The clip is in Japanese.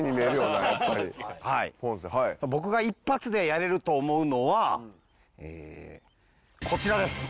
僕が一発でやれると思うのはええこちらです！